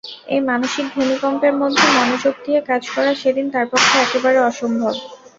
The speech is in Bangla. এই মানসিক ভূমিকম্পের মধ্যে মনোযোগ দিয়ে কাজ করা সেদিন তার পক্ষে একেবারে অসম্ভব।